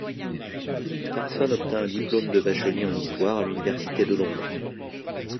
Carson obtint un diplôme de bachelier en histoire à l'Université de Londres.